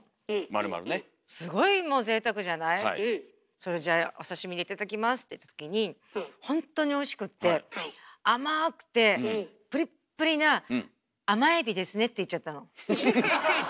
それじゃあお刺身で頂きますっていったときにほんとにおいしくってあまくてプリップリなって言っちゃったの。